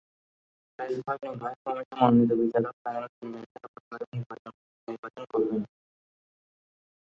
Press club নির্বাহী committee মনোনীত বিচারক প্যানেল তিনজন সেরা প্রতিবেদক নির্বাচন করবেন।